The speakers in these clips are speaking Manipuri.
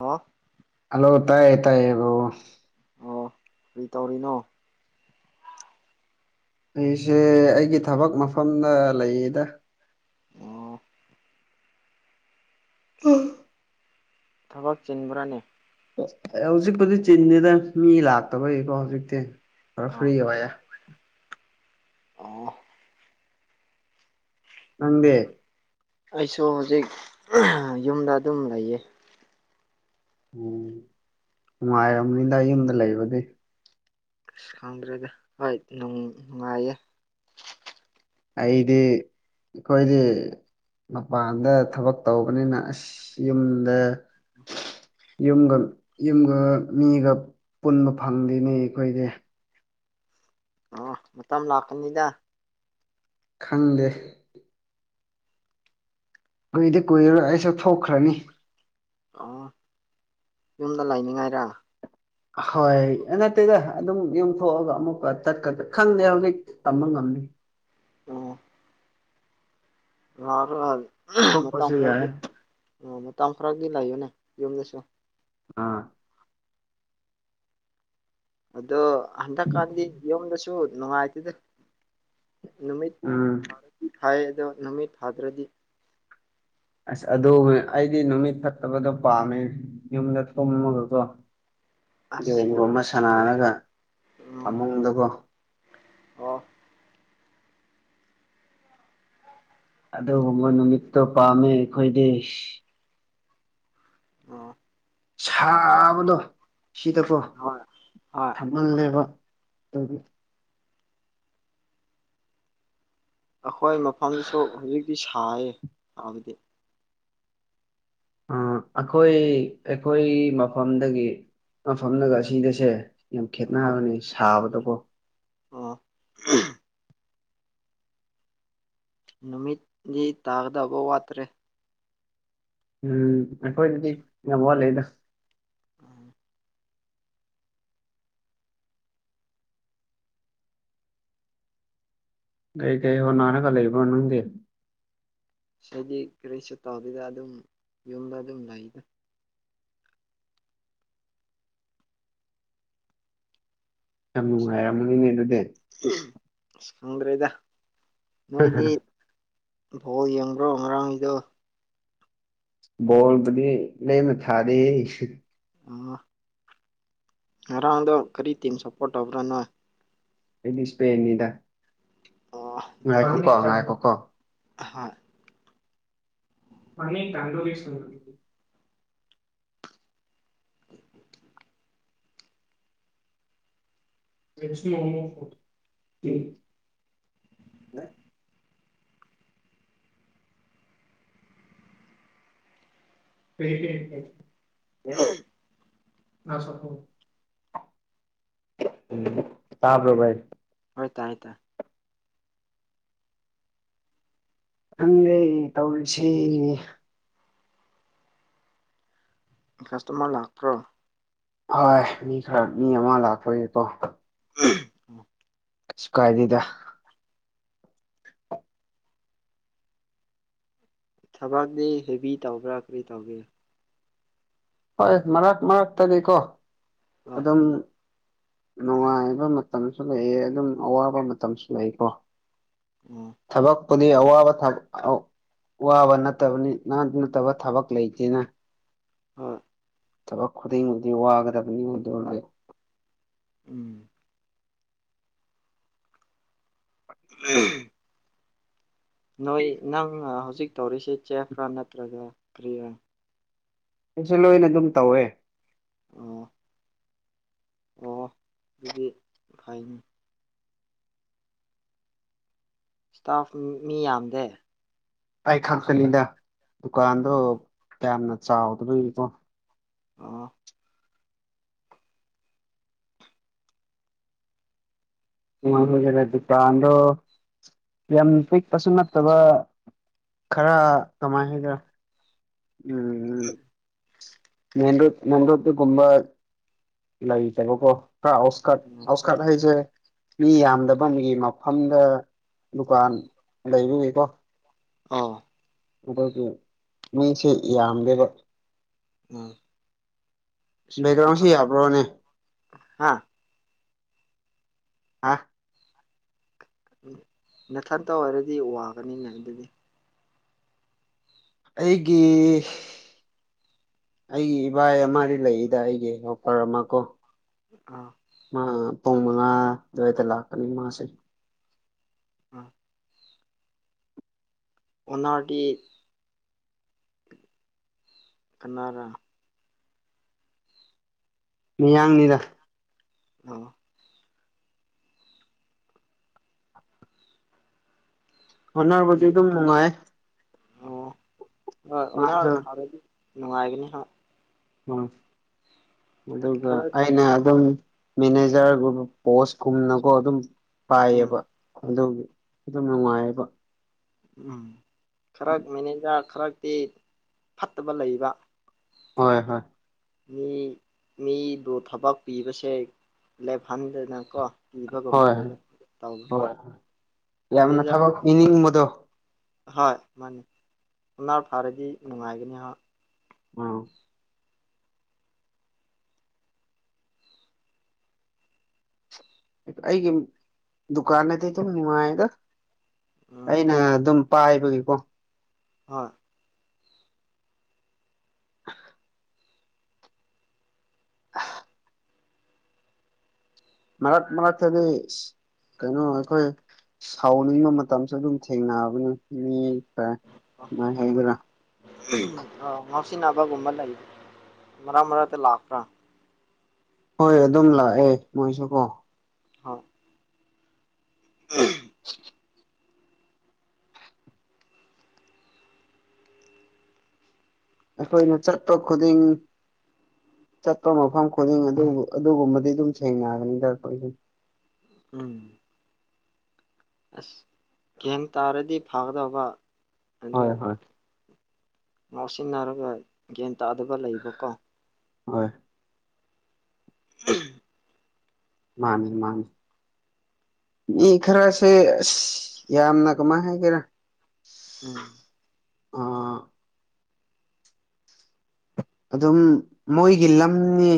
ꯍꯥꯡ ꯍꯜꯂꯣ ꯇꯥꯏꯌꯦ ꯇꯥꯏꯌꯦ ꯍꯜꯂꫭ ꯑꯣ ꯀꯔꯤ ꯇꯧꯔꯤꯅꯣ ꯑꯩꯁꯦ ꯑꯩꯒꯤ ꯊꯕꯛ ꯃꯐꯝꯗ ꯂꯩꯌꯦꯗ ꯑꯣ ꯎꯝ ꯊꯕꯛ ꯆꯤꯟꯕ꯭ꯔꯥꯅꯦ ꯍꯧꯖꯤꯛꯄꯨꯗꯤ ꯆꯤꯟꯁꯤꯗ ꯃꯤ ꯂꯥꯛꯇꯕꯒꯤꯀꯣ ꯍꯧꯖꯤꯛꯇꯤ ꯈꯔ ꯑꯥ ꯐ꯭ꯔꯤ ꯑꯣꯏꯌꯦꯦ ꯑꯣ ꯅꯪꯗꯤ ꯑꯩꯁꯨ ꯍꯧꯖꯤꯛ ꯌꯨꯝꯗ ꯑꯗꯨꯝ ꯂꯩꯌꯦ ꯎꯝ ꯅꯨꯡꯉꯥꯏꯔꯕꯔꯕꯅꯤꯗ ꯌꯨꯝꯗ ꯂꯩꯕꯗꯤ ꯑꯁ ꯈꯪꯗ꯭ꯔꯗ ꯍꯣꯏ ꯅꯨꯡꯉꯥꯏꯌꯦ ꯑꯩꯗꯤ ꯑꯩꯈꯣꯏꯗꯤ ꯃꯄꯥꯟꯗ ꯊꯕꯛ ꯇꯧꯕꯅꯤꯅ ꯑꯁ ꯌꯨꯝꯗ ꯌꯨꯝꯒ ꯌꯨꯝꯒ ꯃꯤꯒ ꯄꯨꯟꯕ ꯐꯪꯗꯦꯅꯦ ꯑꯩꯈꯣꯏꯗꯤ ꯑ ꯃꯇꯝ ꯑꯃ ꯂꯥꯛꯀꯅꯤꯗ ꯈꯪꯗꯦ ꯀꯨꯏꯗꯤ ꯀꯨꯏꯔꯔꫭꯏ ꯑꯩꯁꯨ ꯊꯣꯛꯈ꯭ꯔꯅꯤ ꯑꯣ ꯌꯨꯝꯗ ꯂꯩꯅꯤꯡꯉꯥꯏꯔꯥ ꯍꯣꯏ ꯅꯠꯇꯦꯗ ꯑꯗꯨꯝ ꯌꯨꯝꯊꯣꯛꯑꯒ ꯑꯃꯨꯛꯀ ꯇꯠꯀ ꯈꯪꯗꯦ ꯍꯧꯖꯤꯛꯇ ꯇꯃ ꯉꯝꯅꯤ ꯑꯣ ꯃꯇꯝ ꯊꯣꯛꯄꯁꯨ ꯌꯥꯏ ꯈꯔꯒꯤ ꯃꯇꯝ ꯈꯔꯗꯤ ꯂꯩꯌꯨꯅꯦ ꯌꯨꯝꯗꯁꯨ ꯑꯥ ꯑꯗꯣ ꯍꯟꯗꯛꯀꯥꯟꯗꯤ ꯌꯨꯝꯗꯁꯨ ꯅꯨꯡꯉꯥꯏꯇꯗ ꯅꯨꯃꯤꯠ ꯎꯝ ꯍꯥꯏ ꯑꯗꯣ ꯅꯨꯃꯤꯠ ꯊꯥꯗ꯭ꯔꯗꯤ ꯑꯁ ꯑꯗꯨ ꯑꯩꯗꯤ ꯅꯨꯃꯤꯠ ꯐꯠꯇꯕꯗꯣ ꯄꯥꯝꯃꯦ ꯌꯨꯝꯗ ꯊꯨꯝꯃꯒꯗꯣ ꯑꯁ ꯌꯦꯣꯏꯒꯣ ꯑꯗꯨꯗꯤ ꯑꯃ ꯁꯥꯟꯅꯔꯒ ꯑꯣ ꯐꯃꯨꯡꯗꯨꯒꯣ ꯑꯣ ꯑꯗꯨꯒꯨꯝꯕ ꯅꯨꯃꯤꯠꯇꯣ ꯄꯥꯝꯃꯦ ꯑꯩꯈꯣꯏꯗꯤ ꯑꯣ ꯁꯥꯕꯗꯣ ꯁꯤꯗꯀꯣ ꯍꯣꯏ ꯍꯣꯏ ꯊꯝ ꯃꯜꯂꯦꯕ ꯑꯗꯨꯒꯤ ꯑꯩꯈꯣꯏ ꯃꯐꯝꯗꯁꯨ ꯍꯧꯖꯤꯛꯇꯤ ꯁꯥꯏꯌꯦ ꯁꯥꯕꯗꯤ ꯑ ꯑꯩꯈꯣꯏ ꯑꯩꯈꯣꯏ ꯃꯐꯝꯗꯒꯤ ꯃꯐꯝꯗꯒ ꯑꯁꯤꯗꯁꯦ ꯌꯥꯝ ꯍꯣꯏ ꯈꯦꯠꯅꯕꯅꯦ ꯁꯥꯕꯗꯀꯣ ꯑꯣ ꯎꯝ ꯅꯨꯃꯤꯠꯗꯤ ꯇꯥꯒꯗꯐꯧ ꯋꯥꯠꯇ꯭ꯔꯦ ꯎꯝ ꯑꯩꯈꯣꯏꯗꯗꯤ ꯌꯥꯝ ꯋꯥꯠꯂꯤꯗ ꯑꯝ ꯀꯩ ꯀꯩ ꯍꯣꯅꯅꯒ ꯂꯩꯕꯔꯥ ꯅꯪꯗ ꯁꯤꯗꯤ ꯀꯔꯤꯁꯨ ꯇꯧꯗꯣꯏꯗ ꯑꯗꯨꯝ ꯌꯨꯝꯗ ꯑꯗꯨꯝ ꯂꯩꯗ ꯌꯥꯝ ꯅꯨꯡꯉꯥꯏꯔꯝ ꯃꯅꯤꯅ ꯑꯗꯨꯗꯤ ꯎꯝ ꯈꯪꯗ꯭ꯔꯦꯗ ꯅꯣꯏꯗꯤ ꯕꯣ ꯌꯦꯡꯕ꯭ꯔꯣ ꯉꯔꯥꯡꯒꯤꯗꯣ ꯕꫭꯜꯕꯨꯗ ꯂ‌ꯦꯝꯅ ꯍꯗ‌ꯍ‌ꯦ ꯑ ꯑꯔꯥꯡꯗ ꯀꯔꯤ ꯇꯝ ꯁꯄꯣꯔꯇꯧꯕꯔ ꯅꫭꯏ ꯑꯩꯗꯤ ꯏꯁꯄꯦꯟꯅꯤꯗ ꯑ ꯑꯗꯨꯗꯤ ꯉꯥꯏꯈꯣꯀꯣ ꯉꯥꯏꯈꯣꯀꯣ ꯍꯣꯏ ꯄꯅꯤ ꯇꯅꯨꯔꯤꯁ [unintelligible] [unintelligible] ꯁ [unintelligible] [unintelligible] ꯎꯨ ꯇꯕ‍꯭ꯔꫭ ꯙꯥꯏ ꯍꯣꯏ ꯇꯔ‌ꯦ ꯇꯔ‌ꯦ ꯈꯪꯦ ꯇꯧꯔꯤꯁꯦ ꯀꯥꯁꯇꯣꯃꯔ ꯂꯥꯛꯇ꯭ꯔꯣ ꯍꯣꯏ ꯃꯤ ꯈꯔ ꯃꯤ ꯑꯃ ꯂꯥꯛꯄꯣꯏꯅꯦꯀꯣ ꯎꯝ ꯁ ꯀꯥꯏꯗꯗ ꯊꯕꯛꯅꯦ ꯍꯦꯕꯤ ꯇꯧꯕ꯭ꯔꯥ ꯀꯔꯤ ꯇꯧꯒꯦ ꯍꯣꯏ ꯃꯔꯛ ꯃꯔꯛꯇꯅꯤꯀꯣ ꯑꯣ ꯑꯗꯨꯝ ꯅꯨꯡꯉꯥꯏꯕ ꯃꯇꯝꯁꯨ ꯂꯩꯑ ꯑꯗꯨꯝ ꯑꯋꯥꯕ ꯃꯇꯝꯁꯨ ꯂꯩꯀꯣ ꯎꯝ ꯊꯕꯛꯄꯨꯗꯤ ꯑꯋꯥꯕ ꯊꯕ ꯋꯥꯕ ꯅꯠꯇꯕꯅꯤ ꯅꯪ ꯅꯠꯇꯕ ꯊꯕꯛ ꯂꯩꯇꯦꯅ ꯍꯣꯏ ꯊꯕꯛ ꯈꯨꯗꯤꯡꯃꯗꯤ ꯋꯥꯒꯗꯕꯅꯤꯗꯣ ꯎꯝ ꯅꯣꯏ ꯅꯪ ꯍꯧꯖꯤꯛ ꯇꯧꯔꯤꯁꯦ ꯆꯦꯐ꯭ꯔꯥ ꯅꯠꯇ꯭ꯔꯒ ꯀꯔꯤꯔꯥ ꯑꯩꯁꯨ ꯂꯣꯏꯅ ꯑꯗꯨꯝ ꯇꯧꯋꯦ ꯑꯣ ꯑꯣ ꯑꯗꯨꯗꯤ ꯐꯥꯏꯅꯤ ꯏꯁꯇꯥꯐ ꯃꯤ ꯌꯥꯝꯗꯦ ꯑꯩ ꯈꯪꯆꯅꯤꯗ ꯗꯨꯀꯥꯟꯗꯣ ꯑꯣ ꯌꯥꯝꯅ ꯆꯥꯎꯗꯕꯣꯀꯣ ꯑꯣ ꯎꯔꯦ ꯑꯗꯨꯀꯥꯟꯗꯣ ꯌꯥꯝ ꯄꯤꯛꯄꯁꯨ ꯅꯠꯇꯕ ꯈꯔ ꯀꯃꯥꯏꯅ ꯍꯥꯏꯗ꯭ꯔꯥ ꯎꯝ ꯎꯝ ꯃꯟ ꯔꯣ ꯃꯟ ꯔꯣꯠꯇ ꯀꯨꯝ ꯏꯂꯣ ꯀ ꯍꯥꯏꯖꯦ ꯃꯤ ꯌꯥꯝꯗꯕꯒꯤ ꯃꯐꯝꯗ ꯗꯨꯀꯥꯟ ꯂꯩꯔꯨꯏꯀꯣ ꯑ ꯑꯒꯤ ꯃꯤꯁꯦ ꯌꯥꯝꯗꯦꯕ ꯎꯝ ꯕꯦꯛꯒ꯭ꯔꯥꯎꯟ ꯁꯤ ꯌꯥꯕ꯭ꯔꯣꯅꯦ ꯍꯥꯥ ꯑꯥ ꯎꯝ ꯃꯊꯟꯇ ꯑꯣꯏꯔꯗꯤ ꯋꯥꯒꯅꯤꯅꯦ ꯑꯗꯨꯗꯤ ꯑꯩꯒꯤ ꯑꯩꯒꯤ ꯏꯕꯥꯏ ꯑꯃ ꯂꯩꯏꯗ ꯑꯩꯒꯤ ꯑꯣꯐꯔ ꯑꯃ ꯀꯣ ꯑꯥ ꯃꯥ ꯄꯨꯡ ꯃꯉꯥ ꯑꯗꯨꯋꯥꯏꯗ ꯂꯥꯛꯀꯅꯤ ꯃꯥꯁꯦ ꯎꯝ ꯑꯣꯒꯤ ꯀꯅꯥꯔꯥ ꯃꯤꯌꯥꯡꯅꯤꯗ ꯑꯥ ꯍꯣꯠꯅꯔꯔꯕꯗꯤ ꯑꯗꯨꯝ ꯅꯨꯡꯉꯥꯏ ꯑꯣ ꯍꯣꯏ ꯃꯥꯁꯨ ꯑꯣ ꯐꯥꯔꯗꯤ ꯅꯨꯡꯉꯥꯏꯒꯅꯤꯍ ꯎꯝ ꯑꯗꯨꯒ ꯈꯔ ꯑꯩꯅ ꯑꯗꯨꯝ ꯃꯦꯅꯦꯖꯔꯒꯨꯝꯕ ꯄꯣꯁꯀꯨꯝꯅꯒꯣ ꯑꯗꯨꯝ ꯎꯝ ꯄꯥꯏꯌꯦꯕ ꯑꯗꯨ ꯑꯗꯨꯒꯤꯝ ꯅꯨꯡꯉꯥꯏꯌꯦꯕ ꯎꯝ ꯈꯔ ꯃꯦꯅꯦꯖꯥ ꯈꯔꯛꯇꯤ ꯐꯠꯇꯕ ꯂꯩꯕ ꯍꯣꯏ ꯍꯣꯏ ꯃꯤ ꯃꯤꯗꯨ ꯊꯕꯛ ꯄꯤꯕꯁꯦ ꯂꯦꯞꯍꯟꯗꯅꯀꯣ ꯏꯕꯒꯨꯝꯕ ꯍꯣꯏ ꯂꯩꯕ ꯇꯅꯦ ꯍꯣꯏ ꯌꯥꯝꯅ ꯊꯕꯛ ꯏꯅꯤꯡꯕꯗꯣ ꯍꯣꯏ ꯃꯥꯅꯤ ꯑꯗꯨꯅꯥ ꯐꯔꯗꯤ ꯅꯨꯡꯉꯥꯏꯒꯅꯤ ꯑ ꯑꯩꯒꯤ ꯗꯨꯀꯥꯟ ꯅꯗꯤ ꯑꯗꯨꯝ ꯅꯨꯡꯉꯥꯏꯗ ꯎꯝ ꯑꯩꯅ ꯑꯗꯨꯝ ꯄꯥꯏꯕꯒꯤꯀꯣ ꯍꯣꯏ ꯍ ꯑ ꯃꯔꯛ ꯃꯔꯛꯇꯗꯤ ꯀꯩꯅꯣ ꯑꯩꯈꯣꯏ ꯁꯥꯎꯅꯤꯡꯕ ꯃꯇꯝꯁꯨ ꯑꯗꯨꯝ ꯊꯦꯡꯅꯕꯅꯤ ꯃꯤ ꯍꯩꯕ꯭ꯔ ꯑ ꯉꯥꯎꯁꯤꯅꯕꯒꯨꯝꯕ ꯂꯩ ꯃꯔꯥꯛ ꯃꯔꯥꯛꯗ ꯂꯥꯛꯄ꯭ꯔꯥ ꯍꯣꯏ ꯑꯗꯨꯝ ꯂꯥꯛꯑꯦ ꯃꯣꯏꯁꯨ ꯀꯣ ꯍꯥꯎ ꯎꯝ ꯑ ꯑꯩꯈꯣꯏꯅ ꯆꯠꯄ ꯈꯨꯗꯤꯡ ꯆꯠꯄ ꯃꯐꯝ ꯈꯨꯗꯤꯡ ꯑꯗꯨ ꯑꯗꯨꯒꯨꯝꯕꯗꯤ ꯑꯗꯨꯝ ꯁꯦꯡꯅꯒꯅꯤ ꯈꯣꯏꯗꯤ ꯑꯪ ꯑꯁ ꯒꯦꯝ ꯇꯥꯔꯗꯤ ꯐꯥꯒꯗꯕ ꯍꯣꯏ ꯍꯣꯏ ꯉꯥꯎꯁꯤꯟꯅꯔꯒ ꯒ꯭ꯌꯥꯟ ꯇꯥꯗꯕ ꯂꯩꯕꯀꯣ ꯍꯣꯏ ꯎꯝ ꯃꯥꯅꯦ ꯃꯥꯅꯤ ꯃꯤ ꯈꯔꯁꯦ ꯑꯁ ꯌꯥꯝꯅ ꯀꯃꯥꯏꯅ ꯍꯥꯏꯒꯦꯔꯥ ꯎꯝ ꯑ ꯑꯗꯨꯝ ꯃꯣꯏꯒꯤ ꯂꯝꯅꯤ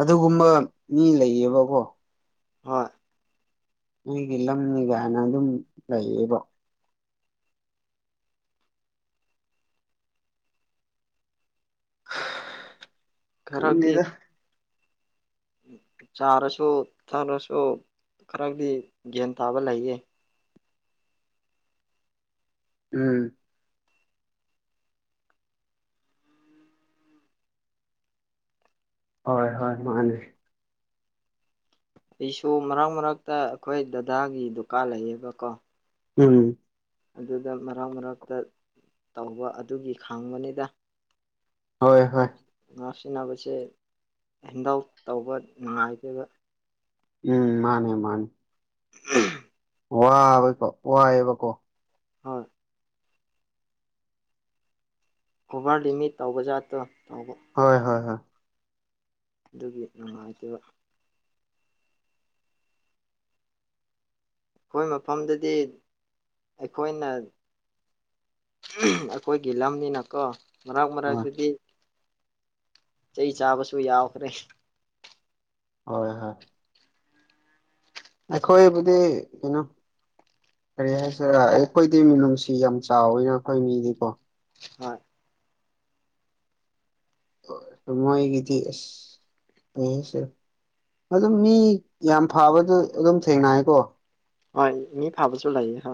ꯑꯗꯨꯒꯨꯝꯕ ꯃꯤ ꯂꯩꯌꯦꯕꯀꯣ ꯍꯣꯏ ꯑꯩꯒꯤ ꯂꯝꯅꯤ ꯀꯥꯏꯅ ꯑꯗꯨꯝ ꯂꯩꯌꯦꯕ [unintelligible] ꯈꯔꯗꯤ ꯈꯪꯗꯦꯗ ꯆꯥꯔꯁꯨ ꯊꯛꯔꯁꯨ ꯈꯔꯗꯤ ꯒ꯭ꯌꯥꯟ ꯇꯥꯕ ꯂꯩꯌꯦ ꯎꯝ ꯍꯣꯏ ꯍꯣꯏ ꯃꯥꯅꯦ ꯑꯩꯁꯨ ꯃꯔꯛ ꯃꯔꯛꯇ ꯑꯩꯈꯣꯏ ꯗꯗꯥꯒꯤ ꯗꯨꯀꯥꯟ ꯂꯩꯌꯦꯕ ꯀꯣ ꯎꯝ ꯑꯗꯨꯗ ꯃꯔꯛ ꯃꯔꯇ ꯇꯧꯕ ꯑꯗꯨꯒꯤ ꯈꯪꯕꯅꯤꯗ ꯍꯣꯏ ꯍꯣꯏ ꯉꯥꯛꯁꯤꯟꯅꯕꯁꯦ ꯍꯦꯟꯗꯜ ꯇꯧꯕ ꯅꯨꯡꯉꯥꯏꯇꯕ ꯎꯝ ꯃꯥꯅꯦ ꯃꯥꯅꯦ ꯎꯝ ꯋꯥꯕꯀꯣ ꯋꯥꯏꯑꯕꯀꯣ ꯍꯣꯏ ꯑꯣꯚꯔ ꯂꯤꯃꯤꯠ ꯇꯧꯕ ꯖꯥꯠꯇꯣ ꯇꯧꯕ ꯍꯣꯏ ꯍꯣꯏ ꯍꯣꯏ ꯑꯗꯨꯒꯤ ꯅꯨꯡꯉꯥꯏꯇꯕ ꯑꯩꯈꯣꯏ ꯃꯐꯝꯗꯗꯤ ꯑꯩꯈꯣꯏꯅ ꯑꯩꯈꯣꯏꯒꯤ ꯂꯝꯅꯤꯅꯀꯣ ꯃꯛ ꯍꯣꯏ ꯃꯔꯛꯇꯗꯤ ꯆꯩ ꯆꯥꯕꯁꯨ ꯌꯥꯎꯈ꯭ꯔꯦ ꯍꯣꯏ ꯍꯣꯏ ꯑꯩꯈꯣꯏꯕꯨꯗꯤ ꯀꯩꯅꯣ ꯀꯔꯤ ꯍꯥꯏꯁꯤꯔ ꯑꯩꯈꯣꯏꯗꯤ ꯃꯤꯅꯨꯡꯁꯤ ꯌꯥꯝ ꯆꯥꯎꯋꯤꯅ ꯑꯩꯈꯣꯏ ꯃꯤꯗꯤꯀꯣ ꯍꯣꯏ ꯃꯒꯤ ꯏꯗꯤꯁ ꯑꯦ ꯁꯦ ꯑꯗꯨꯝ ꯃꯤ ꯌꯥꯝ ꯐꯕꯗ ꯑꯗꯨꯝ ꯊꯦꯡꯅꯌꯦꯀꯣ ꯍ ꯃꯤ ꯐꯕꯁꯨ ꯂꯥꯏꯌꯦ ꯍ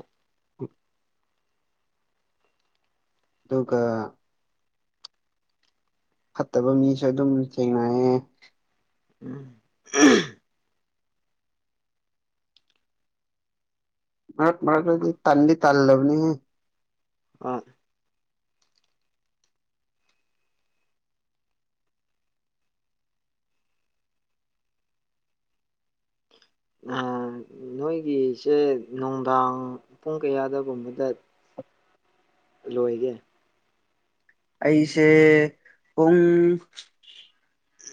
ꯑꯗꯨꯒꯒ ꯐꯠꯇꯕ ꯃꯤꯁꯨ ꯑꯗꯨꯝ ꯊꯦꯡꯅꯌꯦꯦ ꯎꯝ ꯃꯔ ꯃꯔꯔꯗꯤ ꯇꯥꯟꯗꯤ ꯇꯥꯜ ꯂꯕꯅꯤ ꯍꯥꯏ ꯍ ꯅꯣꯏꯒꯤꯁꯦ ꯅꯨꯡꯗꯥꯡ ꯄꯨꯡ ꯀꯌꯥꯗꯒꯨꯝꯕꯗ ꯂꯣꯏꯒꯦ ꯑꯩꯁꯦ ꯄꯨꯡ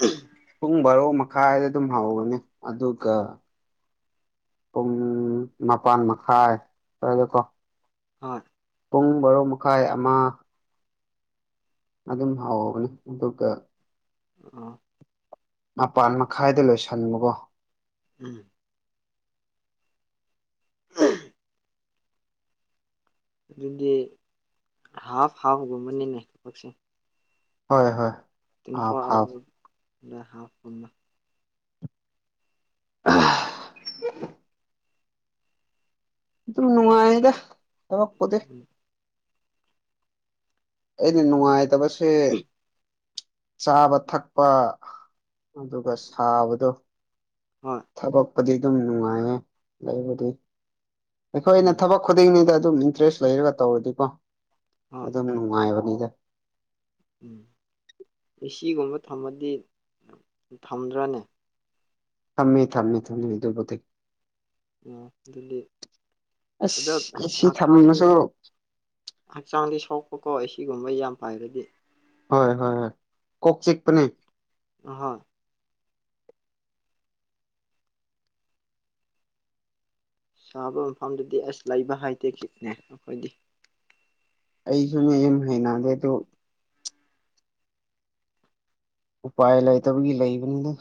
ꯎꯝ ꯄꯨꯡ ꯕꯥꯔꯣ ꯃꯈꯥꯏꯗ ꯑꯗꯨꯝ ꯍꯧꯒꯅꯤ ꯑꯗꯨꯒ ꯄꯨꯡ ꯃꯄꯜ ꯃꯈꯥꯏ ꯑꯣꯏꯗꯀꯣ ꯍꯣꯏ ꯄꯨꯡ ꯕꯥꯔꯣ ꯃꯈꯥꯏ ꯑꯃ ꯑꯗꯨꯝ ꯍꯥꯎꯅꯦ ꯑꯗꯨꯒ ꯑꯣ ꯃꯄꯥꯟ ꯃꯈꯥꯏꯗ ꯂꯣꯏꯁꯟꯕꯨꯒꯣ ꯎꯝ ꯎꯝ ꯑꯗꯨꯗꯤ ꯍꯥꯐ ꯍꯥꯐꯒꯨꯝꯕꯅꯤꯅꯦ ꯊꯕꯛꯁꯦ ꯍꯣꯏ ꯍꯣꯏ ꯇ꯭ꯋꯦꯟꯇꯤ ꯑꯥ ꯐꯣꯔ ꯐꯥꯎ ꯑꯋꯥꯔ ꯍꯥꯐꯕ ꯑ ꯑꯗꯨ ꯅꯨꯡꯉꯥꯏꯗ ꯊꯔꯛꯄꯗꯤ ꯎꯝ ꯑꯩꯅ ꯅꯨꯡꯉꯥꯏꯇꯕꯁꯦ ꯆꯥꯕ ꯊꯛꯄ ꯑꯗꯨꯒ ꯁꯥꯕꯗꯣ ꯍꯣꯏ ꯊꯕꯛꯄꯗꯤ ꯑꯗꯨꯝ ꯅꯨꯡꯉꯥꯏꯌꯦ ꯂꯩꯕꯨꯗꯤ ꯑꯩꯈꯣꯏꯅ ꯎꯝ ꯊꯕꯛ ꯈꯨꯗꯤꯡꯅꯤꯗ ꯑꯗꯨꯝ ꯏꯟꯇꯔꯦꯁ ꯂꯩꯔꯒ ꯇꯧꯔꯗꯤꯀꯣ ꯍꯣꯏ ꯑꯗꯨꯝ ꯅꯨꯡꯉꯥꯏꯕꯅꯤꯗ ꯎꯝ ꯏꯒꯨꯝꯕ ꯊꯝꯃꯗꯤ ꯊꯝꯗ꯭ꯔꯅꯦ ꯊꯝꯃꯦ ꯊꯝꯃꯦ ꯊꯝꯃꯦ ꯑꯗꯨꯕꯨꯊ ꯎꯝ ꯗꯜꯂꯤ ꯑꯗꯣ ꯑꯁ ꯑꯦꯁꯤ ꯍꯥꯡ ꯊꯝꯃꯁꯨ ꯍꯛꯆꯥꯡꯗꯤ ꯁꯣꯛꯄꯀꯣ ꯁꯤꯒꯨꯝꯕ ꯌꯥꯝ ꯐꯥꯏꯔꯗꯤ ꯍꯣꯏ ꯍꯣꯏ ꯍꯣꯏ ꯀꯣꯛꯣꯛ ꯆꯦꯛꯄꯅꯦ ꯍꯣꯏ ꯁꯥꯕ ꯃꯐꯝꯗꯨꯗꯤ ꯑꯁ ꯂꯩꯕ ꯍꯥꯏꯗꯦ ꯈꯤꯅꯦ ꯑꯩꯈꯣꯏꯗꯤ ꯑꯩꯁꯨꯅꯦ ꯑ ꯍꯩꯅꯗꯦ ꯑꯗꯨ ꯎꯄꯥꯏ ꯂꯩꯇꯕꯒꯤ ꯂꯩꯕꯅꯤꯅ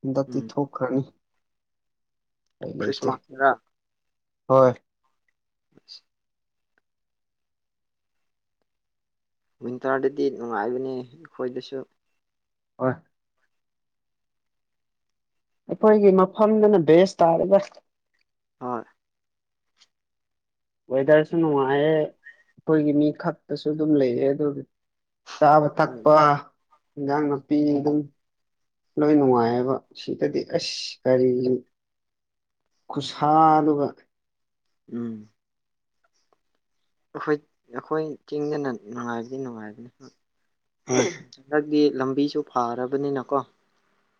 ꯍꯟꯗꯛꯇꯤ ꯎꯝ ꯊꯣꯛꯈ꯭ꯔꯅꯤ ꯑꯩ ꯂꯩ ꯈ꯭ꯔꯤꯁꯃꯥꯁꯇꯔ ꯍꯣꯏ ꯁ ꯋꯤꯟꯇꯔꯗꯗꯤ ꯅꯨꯡꯉꯥꯏꯕꯅꯤ ꯑꯩꯈꯣꯏꯗꯁꯨ ꯍ ꯑꯩꯈꯣꯏꯒꯤ ꯃꯐꯝꯗꯨꯅ ꯕꯦꯁ ꯇꯥꯔꯒ ꯍꯣꯏ ꯋꯦꯗꯔꯁꯨ ꯅꯨꯡꯉꯥꯏꯌꯦꯦ ꯑꯩꯈꯣꯏꯒꯤ ꯃꯤ ꯈꯛꯇꯁꯨ ꯑꯗꯨꯝ ꯂꯩꯌꯦ ꯑꯗꯨꯗꯤ ꯆꯥꯕ ꯎꯝ ꯊꯛꯄ ꯏꯟꯖꯥꯡ ꯅꯥꯄꯤ ꯑꯗꯨꯝ ꯂꯣꯏ ꯅꯨꯡꯉꯥꯏꯑꯕ ꯁꯤꯗꯗꯤ ꯑꯁ ꯀꯔꯤꯅꯤ ꯈꯨꯁꯥ ꯑꯗꯨꯒ ꯎꯝ ꯑꯩꯈꯣꯏ ꯑꯩꯈꯣꯏ ꯆꯤꯡꯗꯅ ꯅꯨꯡꯉꯥꯏꯕꯗꯤ ꯅꯨꯡꯉꯥꯏꯕꯅꯤ ꯍꯣꯏ ꯍꯟꯗꯛꯀꯤ ꯂꯝꯕꯤꯁꯨ ꯐꯔꯕꯅꯤꯅꯀꯣ